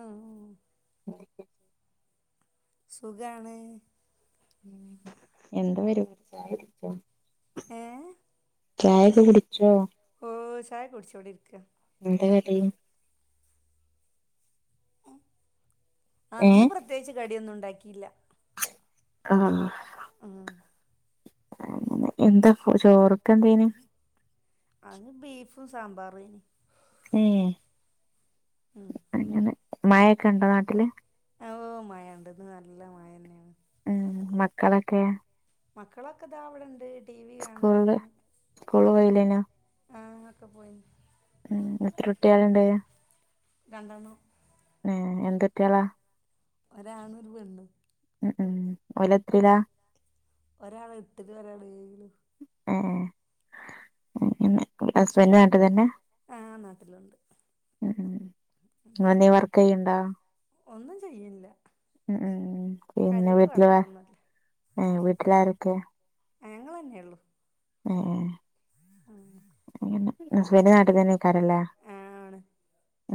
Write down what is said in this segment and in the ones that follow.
ആഹ് സുഖാണ് എന്ത് വരു ചായടുക്കാ ഏ ചായൊക്കെ കുടിച്ചോ ഓഹ് ചായെക്കെ കുടിച്ച് വിടിരിക്കാ എന്താ കടി ആഹ് അന്ന് ഏഹ് പ്രത്യേകിച്ച് കടിയൊന്നുണ്ടാക്കിയില്ല ആഹ് ആഹ് അങ്ങനെ എന്താ ചോറൊക്കെന്തേനു അത് ഉം ഉം മഴൊക്കെ ഉണ്ടോ നാട്ടില് ഓഹ് മഴ ഉണ്ട് ഇന്ന് നല്ല മഴന്നെയാണ് ഉം മക്കളൊക്കെ മക്കളൊക്കെ ഇതാവിടെണ്ട് സ്കൂള്‌ല് സ്കൂ ആഹ് അക്കെ പോയി ഉം എത്ര കുട്ട്യേല്ണ്ട് രണ്ടെണ്ണം എഹ് എന്തുട്ട്യെളാ ഒരാണും ഒരു പെണ്ണും ഉം ഒലെത്രിലാ ഒരാള് എട്ടിലും ഒരാള് ഏഴിലും ഏഫ് പിന്നെ ഹസ്ബൻഡ് നാട്ടിലെന്നെ ആഹ് നാട്ടില്ണ്ട് ഉം ഉം ഒനെന്തെ വർക്ക് ചെയ്യണ്ടാ ഒന്നും ചെയ്യിണ്ല്ല ഉം പിന്നെ വീട്ടില് വെ വർക്കൊന്നുമില്ല ഏഹ് വീട്ടിലാരൊക്കെ ഞങ്ങളെന്നെയുള്ളു ഏഹ് ങ്ങനെ നുസൈബ നാട്ടിൽ തന്നെ തരില്ല ആണ്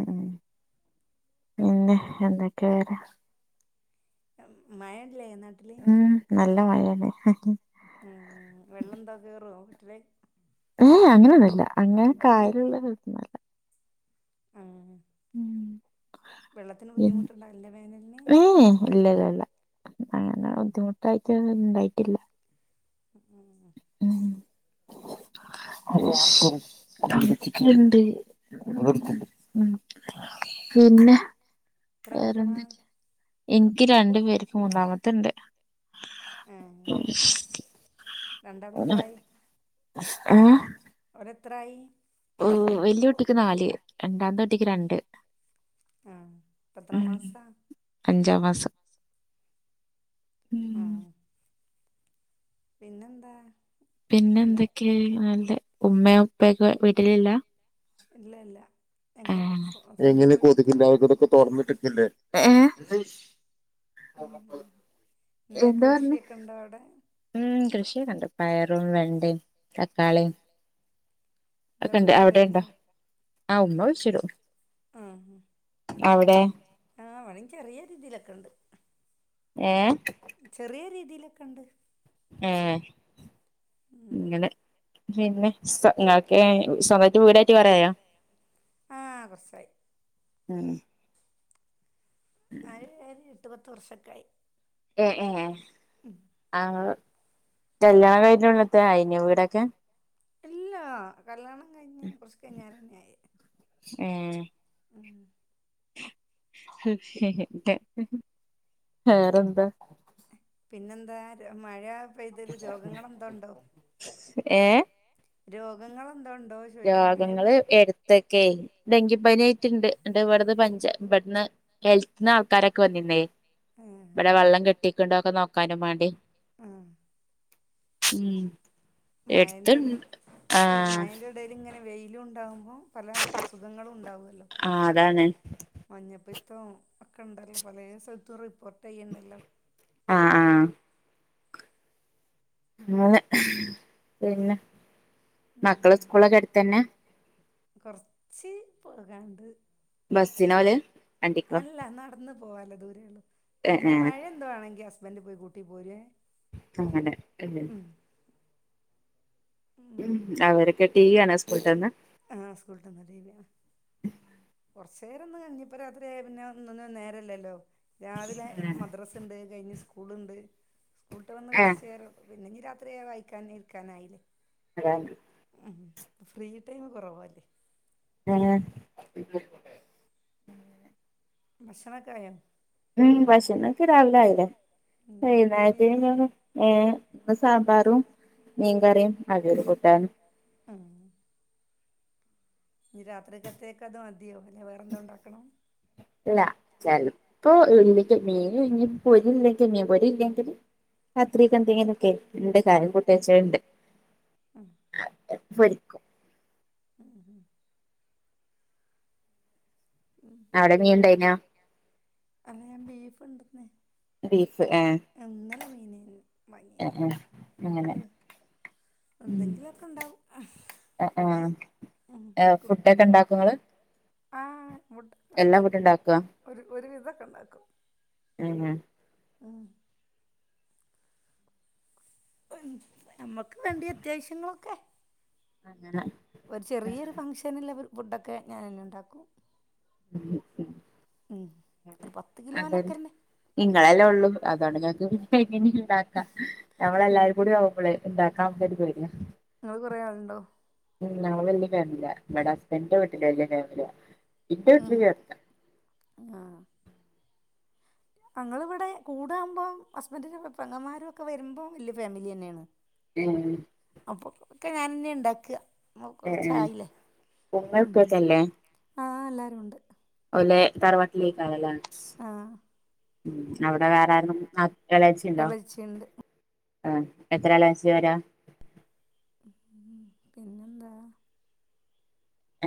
ഉം പിന്നെ എന്ത കേറെ മഴ ഇല്ലേ നട്ടില് മഴാണ് ഹ്ഹ് ഉം വെള്ളന്താ കേറോ ട്ടില് ഏഹ് അങ്ങനെന്നുല്ല അങ്ങനെ കാര്യള്ളത്തന്നല്ല ആഹ് ഉം വെള്ളത്തിന് ബുദ്ധിമുട്ടുണ്ട അല്ല വേനലിന് ഏ ഇല്ല ഇല്ല ഇല്ല അങ്ങനെ ഉം ബുദ്ധിമുട്ടായിട്ട് ഇണ്ടായിട്ടില്ല ഉം അ [unintelligible] ക്ക്ണ്ട് ഉം പിന്നെ എത്ര കുട്ടികളാ വേറെന്തെ എനിക്ക് രണ്ടു പേര് മൂന്നാമത്തണ്ട് ഉം രണ്ടാമത്തായി ഏഹ് എത്രായി വലിയകുട്ടിക്ക് നാല് രണ്ടാത്തെ കുട്ടിക്ക് രണ്ട് ആഹ് എത്രാം ഉം മാസാ അഞ്ചാം മാസം ഉം ആഹ് പിന്നെന്താ പിന്നെ എന്താ എന്തൊക്കെയെ നല്ലത് ഉമ്മയോ ഉപ്പയൊക്കെ വീട്ടിലില്ല ഇല്ല ഇല്ല ഞങ്ങള് ഏഹ് സ്വ സ്വന്തം എങ്ങനെ വീടെടുത്ത് മാറി കൊതുകില്ലാതിരിക്ക ഇതൊക്കെ തോറന്നിട്ടിക്കില്ലേ ഏഹ് ഉം ഉം എന്താ പറഞ്ഞ കൃഷിയൊക്കെ ഉണ്ടോ അവിടെ ഉം കി കൃഷിക്കെണ്ട് പയറും വെണ്ടയും. ഉം തക്കാളീം എന്താ ഒക്കെണ്ട് അവിടെുണ്ടോ കുഴിച്ചിടലുണ്ടോ ആ ഉമ്മ കു കുഴിച്ചിടും. ആഹ് അവിടെ ആ ഇവിടിം ചെറിയ രീതിയിലൊക്കെ ഉണ്ട് ഏഹ് എതിലൊക്കെ ഉണ്ട് ഏ ഉം ഇങ്ങനെ പിന്നെ സൊ ങ്ങൾക്ക് സൊ വീടായിട്ട് കൊറേയായോ? ആ കുറച്ചായി ഉം അത് എട്ടു പത്ത് വർഷക്കായി ഏ ഏ ആഹ് കല്യാണം കഴിച്ച ഉടനെ തന്നെ അയിനൊ വീടൊക്കെ ഇല്ല കല്യാണം കഴിഞ്ഞ കുറച്ച് കഴിഞ്ഞരെന്നെ ആയത് ഏഹ് [unintelligible] വേറെന്താ പിന്നെന്താ രോ മഴ പെയ്തല് രോഗങ്ങെന്തോ ഉണ്ടോ ഏഹ് രോഗങ്ങളും രോഗങ്ങള് എടുത്തക്കെ ഡെങ്കിപ്പനി ആയിട്ടുണ്ട് എ ഇവിടുന്ന് പഞ്ച ഇവിടുന്ന് ഹെൽത്തിന്ന് ആൾക്കാരൊക്കെ വന്നിന്നേ ഇവിടെ വെള്ളം കെട്ടിക്കുണ്ടോ ഒക്കെ നോക്കാനും വേണ്ടി ആഹ് ഉം മയന്റെ ഇട എടുത്തുണ്ട് ഏ ആഹ് മയന്റെ ഇടൽ ഇങ്ങനെ വെയിലും ഉണ്ടാവുമ്പോ പല അസുഖങ്ങളും ഉണ്ടാവല്ലോ ആഹ് അതാണ് മഞ്ഞപ്പി തോം ഒക്കെ ഉണ്ടല്ലോ പല സ്ഥലത്തും റിപ്പോർട്ട് ചെയ്യ്ണ്ടല്ലോ ആഹ് ആഹ് അങ്ങനെ പിന്നെ മക്കള് സ്കൂളൊക്കെ എടുത്ത തന്നെ അടുത്തന്നെ കൊറച്ച് പോകാണ്ട് ബസിനാ പോവല് അല്ല നടന്ന പോവാല ദൂരെയള്ള ഏഹ് പിന്നെ ഏഹ് മഴ എന്തുവാേണെങ്കി വണ്ടി പോയി കൂട്ടി പോരെ അങ്ങനെ അല്ല ഉം അവരൊക്കെ ടീ വി കാണാ സ്കൂളട്ടന്ന് ആഹ് സ്കൂൾട്ടന്ന് ടി വി കാണുവാ കുറച്ചു നേേരം ഒന്ന് കഴിഞ്ഞപ്പ രാത്രിയ പിന്നെ ഒന്നൊന്നും നേരല്ലല്ലോ രാവിലെ മദ്രാസ ഉണ്ട് കഴിഞ്ഞ് സ്കൂളുണ്ട് സ്കൂളട്ട വന്ന് ഏഹ് കുറച്ച നേേര പിന്നെ ഇനി രാത്രിയ വായിക്കാൻ ഇരിക്കാനായില്ലേ രണ്ട് ഉ ഫ്രീ ടൈം കുറവല്ലേ ഉം മക്ഷണ ചായോ [unintelligible] ഉം പക്ഷേന്നൊക്കക്ക് രാവിലെ ഉം എന്തേനി ആയില്ലേൈകുന്നഞ്ഞ ഏ സാമ്പാറും മീൻകറിയും ആിയ ഒരു കൂട്ടാണ് ആഹ ഇനി രാത്രിക്കത്തക്കെ അത് മതിയോ പിന്നെവേറെന്താ ഉണ്ടാക്കണം. ഇപ്പൊ ഇല്ലെങ്ക മീൻ ഇനി പോരി ഇല്ലെങ്കിൽ നീൻ പോരി ഇല്ലെങ്കില്.. രാത്രിക്ക് എന്തെങ്കിലും ഒക്കെ ഉണ്ട് കായം കൂട്ടിവെച്ചത് ഉണ്ട്. ഉം [unintelligible] പൊരി ക്കും ഉം ഉ [unintelligible] ഉം അവിടെ നീ പിന്നെ ഉണ്ടൈനോ അല്ല ഞാൻ ബീഫ് ഇണ്ടന്നെ. അത ന്നല്ലെ മീന ഭങ്ങീന് ഏ ഉ ആഹ ആഹ അഫുഡ് ഒക്കെ ഇണ്ടാക്കങ്ങള്. ആഹ മുട്ടക്ക ഉണ്ടാക്കും ഒരു ഒരുവിധൊക്കെ ഉണ്ടാക്കും ഉം [unintelligible] ഉം നമ്മക്ക് വേണ്ടി അത്യാവശ്യങ്ങളൊക്കെ അങ്ങനെ ഒരു ചെറിയൊരു ഫംഷ നിലെ ഫുഡൊക്കെ ഞാൻന്നെ ഉണ്ടാക്കും. ഉ ഉ [unintelligible] ഉം ഒരു പത്ത് കിലോനൊക്കെ അതെല്ലെ തന്നെ നിങ്ങളെല്ലേ ഉള്ളു അതാണ് ഞക്ക് ഇനി ഇണ്ടാക്കാം ഉം ഞമ്മളെല്ലാരും കൂടിുമ്പള ഇണ്ടാക്കാൻ പേടിയാ [inaudible] നിങ്ങള്ൾ കൊറെേ ആളുണ്ടോ? ഉ് ഞങ്ങൾ വലിയഫാമിലിയ ഇവിടെ ഹസ്ബൻഡന്റെ വീട്ടില് വലിയ ഫേമിലിയാ. ഇട്ടേ ഉം ഫ്രീ അത്ത ങ്ങൾ ഇവിടെ കൂടകുമ്പോം ഹസ്ബൻഡ പ അങ്ങമാരും ഒക്കെ വരുമ്പോ വലയ ഫാമിലി തന്നെയാണ്. ഉം അപ്പൊ ഒക്കെ ഞാൻ തന്നെ ഉണ്ടാക്കുക. എഏ കുറച്ചായില്ലേ ഉമ്മ ഉപ്പക്കല്ലേ. ണ്ട് [unintelligible] ലെ തറവാട്ടിലേക്ക്യലാണ് ആഹ ഉം അവിടെ വേറെ... എളിച്ചുണ്ട് ആഹ എത്രളാച്ചിയാരാ. പിന്നെന്താ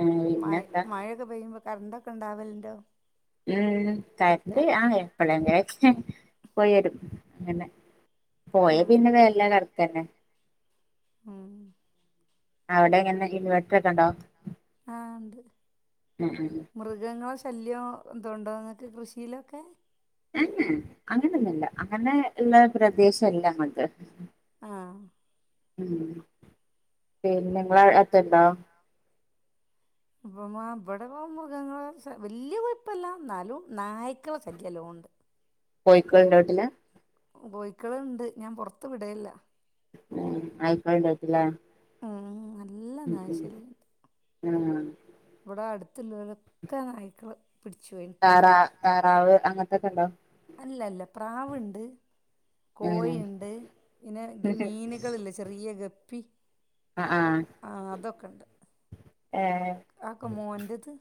ഏഹ് മഴ പിന്നെന്താ മഴയൊക്കെ പെയ്യുമ്പോ കറണ്ട്ൊക്കെ ഇണ്ടാവലണ്ടോ? ഉം കറണ്ട് ആ എപ്പോഴെങ്കിലുമൊക്കെ പോയി വരും അങ്ങനെ പോയ ഉം പിന്നെ വെരല് കണക്കന്നെ. ഉം അവിടെ എങ്ങനെ ഇൻവേർട്ടർ ഒക്കെ ഉണ്ടോ ആഹ ഉണ്ട് ഉം മൃഗങ്ങളെ ശല്യോ എതുണ്ടോ ങ്ങൾക്ക്. കൃഷിയിലൊക്കെ അങ്ങനൊന്നുല്ല അങ്ങനെ എല്ലാ പ്രദേശോ ഇല്ലമ്മക്ക് ആഹ് ഉം പിന്നെ ഇങ്ങളാത്തെ ഇണ്ടോ. അപ്പ മ് ഇവിടെ മൃഗങ്ങള് ശൽ വല്ല്യ കുഴപ്പയില്ല എന്നാലും നായ്ക്കള ശല്യല്ലോണ്ണ്ണ്ട് [unintelligible] കോയിക്കളുണ്ടോ വീട്ടില് കോയ്ക്കളുണ്ട് ഞാൻ പുറത്തുവിടലില്ല. ഉം നായ്ക്കളുണ്ടായിരിക്കും ല്ലേ ഉം നല്ല നായിശല്യുണ്ട് ആഹ് ഇവിടെ അടുത്ത് ടുത്ത്ള്ളോലൊക്കെ നായ്ക്കള് പിടിച്ചു പോയി താറ പോയി തറാവ് അങ്ങനത്തക്കെ ഉണ്ടോ? അല്ല അല്ല പ്രാവുണ്ട് ഉം കോഴിയിണ്ട് പിന്നെ ഗ് മീനുകളില്ലേ ചെറിയ ഗപ്പി ആഹ് ആഹ് ആഹ് അതൊക്കെണ്ട്. ഏഹ് ആക്ക മോന്റത്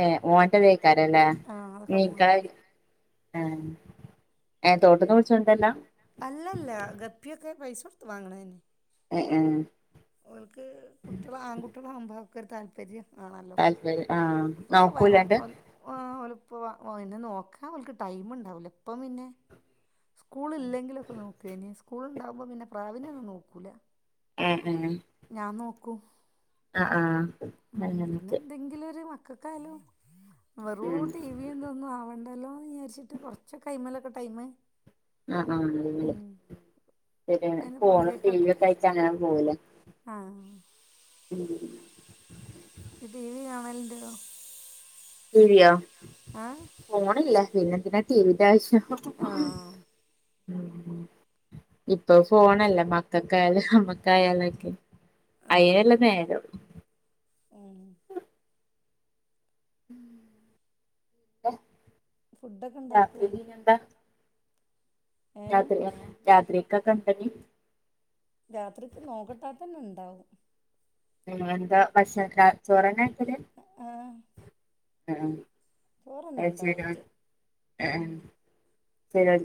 ഏ മോന്റ് ഇതെക്കാരംല്ലേ ആഹ് അതൊക്കെ മീക്കള മോൻ്റത് ആ എ തോട്ട്ന്ന് പിടിച്ചോണ്ട് വെരലാ അല്ലല്ല ഗപ്പിയൊക്കെ പൈസ കൊടുത്ത് വാങ്ങണെതന്നെയാ എ ഏ ഒക്കെ ഒരു താല്പര്യം ആണല്ലോ താല്പര്യം ആഹ് അപ്പൊക്കെ ഓൻ നോക്കൂലാണ്ട് ഒ ഓൽ ഓലുപ്പ വാങ്ങ് ഓ അയിനെ നോക്കാൻ ഓല്ക്ക് ടൈം ഉണ്ടാവൂല ഇപ്പ പിന്നെ സ്കൂളില്ലെങ്കിലൊക്കെ നോക്കേനി സ്കൂളുണ്ടാവുമ്പോ പിന്നെ പ്രാവിനെ ഒന്നും നോക്കൂല. ആ ആഹ് ആ നോക്കും ആഹ് ഉം പിന്നെ അങ്ങനൊക്കെ എന്തെങ്കിലു ഒരു മക്കക്കായാലും വെറും ഉം ടീവിയും ഇതൊന്നും ആവണ്ട മതിയല്ലോന്ന് വിചാരിച്ചിട്ട് കുറച്ചൊക്കെ അയ്മിലൊക്കെ ടൈമ് ആ ആഹ് അല്ലെ ഉം ശരിയാണ് അതിന് ഫോണും ടിവിയൊഒക്കെ ആയിട്ട് അങ്ങിനെ പോവൂലേ? ആഹ് ഇന്നിട്ട് ടിവി കാണലുണ്ടോ ടിവിയോ? ആ ഫോണില്ലേ പിന്നെന്തിനാ ടി വിന്റെ ആവശ്യം? ആ ഇപ്പൊ ഫോണല്ലേ മക്കക്കായാലും. നമ്മക്കായാലൊക്കെ ആ അയ്നല്ലേ നേരം. ഉം പിന്നെ ഫുഡൊക്കെ രാത്രി ഉണ്ടാക്കുവോ പിന്നെന്താ? ഏ രാത്രി [unintelligible] രാത്രിക്കൊക്കെ എന്താടി? രാത്രിക്ക് നോക്കട്ടാ അതന്നെ ഇണ്ടാവും. ഉം എന്താ ഭക്ഷണാക്കെ ചോറന്നെയാ ആഹ് ആ അത് ശരി ആ ഉച്ച ആഹ് ഉം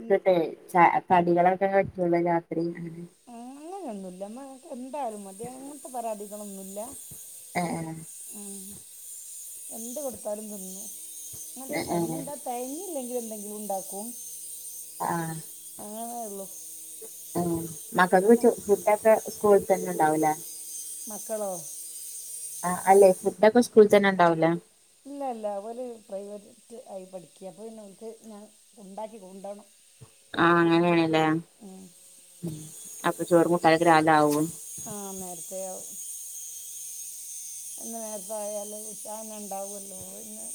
ഇന്ന് ച കടികളൊക്കെ പറ്റുള്ളൂ രാത്രി അങ്ങനെ അങ്ങനെയൊന്നുല്ല. [unintelligible] എന്തായാലും മതി അങ്ങനത്തെ പരാതികളൊന്നുല്ല ഏഹ് ഉം എന്ത് കൊടുത്താലും തിന്നും അങ്ങനത്തെ വിഷയം പിന്നെ ഏഹ് എന്താ തെകഞ്ഞി ഇല്ലെങ്കിലെന്തെങ്കിലും ഉണ്ടാക്കും ആഹ് അങ്ങനയേ ഇള്ളൂ. ആഹ് മക്കക്ക് ചോ ഫുഡ് ഒക്കെ സ്കൂളിൽ തന്നെ ഉണ്ടാവൂലേ? മക്കളോ? ആ അല്ലെ ഫുഡ്ഒക്കെ സ്കൂളിൽ തന്നെ ഉണ്ടാവൂലേ? ഇല്ല ഇല്ല ഒലെ പ്രൈവറ്റ് ആയി പഠിക്ക. അപ്പൊ പിന്നെഓല്ക്ക് ഞാൻ ഉണ്ടാക്കി കൊണ്ടോണം. ആഹ് അങ്ങനെയാണ്ല്ലേ. ഉം ഉം അപ്പൊ ചോറ് കൂട്ടാനോക്കെ രാവിലെ ആവും. ആ നേരത്തെ ആവും അ നേരത്തെ ആയല് ഉച്ചാന്ന ഉണ്ടാവല്ലോ ഇന്ന്.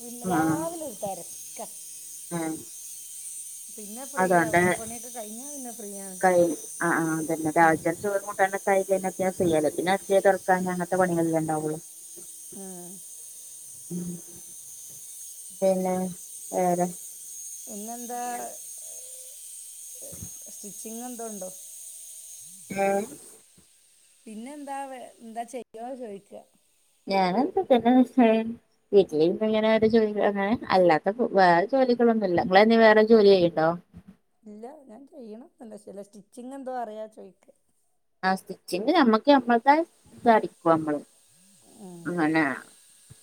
പിന്നെ ആഹ് രാവിലെ ഒര് തെരക്ക. പിന്നെ ഫ്രീ ആവും അപ്പണീക്കെ കഴിഞ്ഞ പിന്നെ ഫ്രീ ആണ് കഴിയും ആ അ അതന്നെ രാവിലെ ഉം. തന്നെ ചോറും കൂടാനൊ കൈഞ് കഴിഞാ പിന്നെ ഞാൻ ഫ്രീ അല്ലെ പിന്നെ അടിച്ചൊരി തുടച്ചു പിന്നെ അങ്ങനത്തെ പണികളല്ലേ ഉണ്ടാവുള്ളു. ആഹ് പിന്നെ വേറെ പിന്നെന്താ സ്റ്റിച്ചിങ് എന്തോ ഉണ്ടോ ആ പിന്നെ എന്താ എന്താ ചെയ്യോന്ന് ചോദിക്ക ഞാനെന്താ തന്നെ [unintelligible] [unintelligible] ഇങ്ങനെ ജോലി അങ്ങനെ അല്ലാതപ്പോ വേറെ ജോലി [unintelligible] ഇല്ല വേറെ ജോലി ചെയ്യടോ ഇല്ല ഞാൻ ചെയ്യണം എല്ല [unintelligible] സ്റ്റിച്ചിങ് എന്തോ അറിയാ ചോയ്ക്ക് ആ സ്റ്റിച്ചിങ് നമ്മക്ക് നമ്മളെതായിട്ട് അടിക്കും നമ്മള് ഉം. അങ്ങനെയാ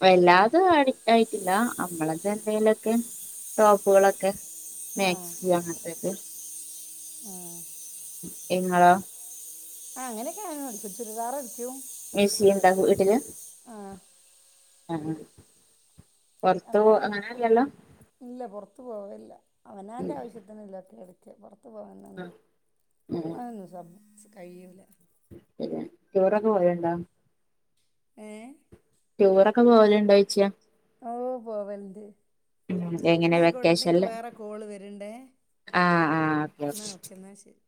വല്ലാതും അടിക്കായിട്ടില്ല നമ്മളൊക്കെ എന്തെലൊക്കെ ടോപ്പുകളൊക്കെ ആ മേക്സി അങ്ങനെത്തേക്കേ ആ എങ്ങളാ അങ്ങനൊക്കെനു ടിക്കു ചുരിദാർ എടി മേസി എന്താ വൂട്ടില് ആ ആ ആ അവനാൻ ഇല്ല പുറത്തുപോവല്ല അവനോന്റെ ഉം ആവശ്യത്തിന് ഇല്ലാ പുറത്ത് പോവാൻ അങ്ങു ഉം കഴില ശരിയാണ് ചോറൊക്കെ പോയുണ്ടാ ഏ ട്യൂറോക്കെ പോവലുണ്ടോ ച്ചിയാ ഓ പോവലുണ്ട്. ഉം എങ്ങനെ ന്നായ്ക്കോട്ട എക്ക് വെക്കേഷനില് വേറെ കോള് വരണ്ടോ ആ ആ ഓക്കെ എന്ന ഓക്കെ എന്നാ ശരി